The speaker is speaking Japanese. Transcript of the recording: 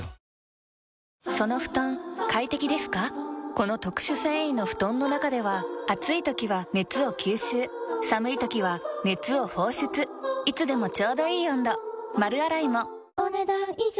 この特殊繊維の布団の中では暑い時は熱を吸収寒い時は熱を放出いつでもちょうどいい温度丸洗いもお、ねだん以上。